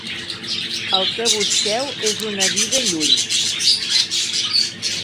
El que busqueu és una vida lluny.